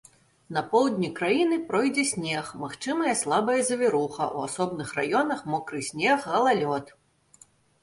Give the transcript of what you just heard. На поўдні краіны пройдзе снег, магчымая слабая завіруха, у асобных раёнах мокры снег, галалёд.